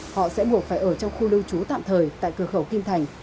họ sẽ buộc phải ở trong khu lưu trú tạm thời tại cửa khẩu kim thành